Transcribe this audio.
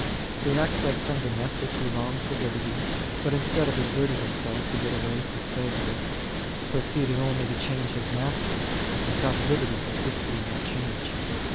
They act like some domestic who longed for liberty, but instead of exerting himself to get away from slavery proceeded only to change his masters, and thought liberty consisted in that change.